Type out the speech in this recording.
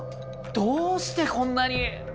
どうしてこんなに？